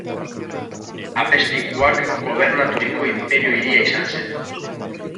Apezpikuak gobernaturiko inperio hiria izan zen.